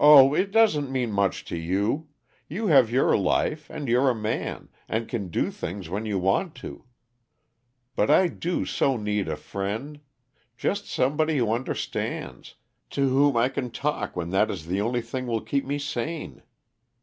"Oh, it doesn't mean much to you you have your life, and you're a man, and can do things when you want to. But I do so need a friend! Just somebody who understands, to whom I can talk when that is the only thing will keep me sane.